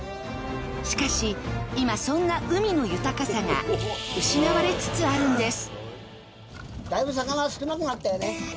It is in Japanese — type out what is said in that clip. しかし、今、そんな海の豊かさが失われつつあるんです。